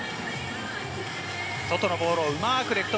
外のボールをうまくレフト